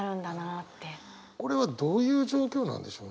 これはどういう状況なんでしょうね。